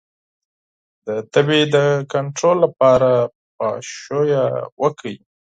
د تبې د کنټرول لپاره پاشویه وکړئ